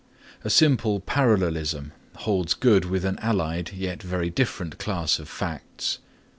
A similar parallelism holds good with an allied yet very different class of facts.